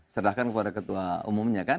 serahkan kepada ketua umumnya kan